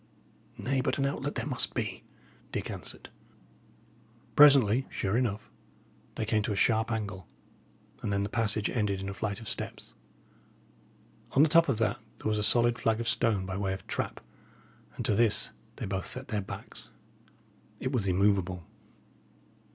"Nay, but an outlet there must be!" Dick answered. Presently, sure enough, they came to a sharp angle, and then the passage ended in a flight of steps. On the top of that there was a solid flag of stone by way of trap, and to this they both set their backs. It was immovable.